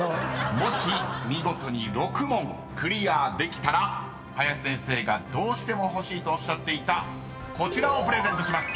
［もし見事に６問クリアできたら林先生がどうしても欲しいとおっしゃっていたこちらをプレゼントします。